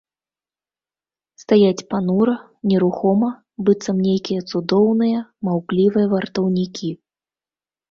Стаяць панура, нерухома, быццам нейкія цудоўныя, маўклівыя вартаўнікі.